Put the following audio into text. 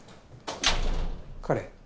彼？